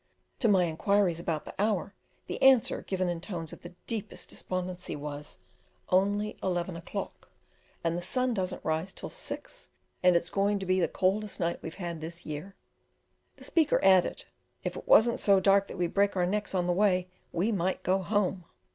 To my inquiries about the hour, the answer, given in tones of the deepest despondency, was "Only eleven o'clock, and the sun doesn't rise till six, and its going to be the coldest night we've had this year." The speaker added, "If it wasn't so dark that we'd break our necks on the way, we might go home."